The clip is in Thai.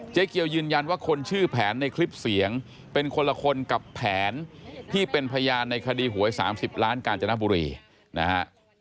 เกียวยืนยันว่าคนชื่อแผนในคลิปเสียงเป็นคนละคนกับแผนที่เป็นพยานในคดีหวย๓๐ล้านกาญจนบุรีนะฮะ